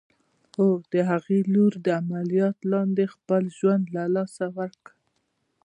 هو! د هغې لور د عمليات لاندې خپل ژوند له لاسه ورکړ.